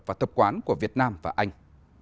và tập quán của việt nam và anh